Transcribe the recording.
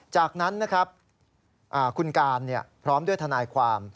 จากนั้นนะครับคุณการพร้อมด้วยทนายความ